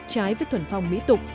trái với thuẩn phòng mỹ tục